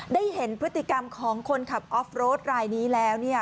ได้เห็นพฤติกรรมของคนขับออฟโรดรายนี้แล้ว